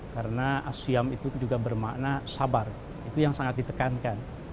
karena asyam itu juga bermakna sabar itu yang sangat ditekankan